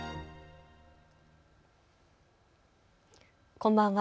こんばんは。